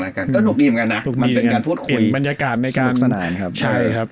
มันเป็นการพูดคุยเป็นบรรยากาศในการใช่ครับ